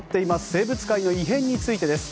生物界の異変についてです。